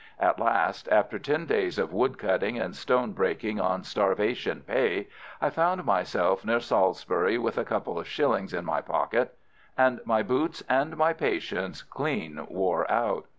At last, after ten days of wood cutting and stone breaking on starvation pay, I found myself near Salisbury with a couple of shillings in my pocket, and my boots and my patience clean wore out.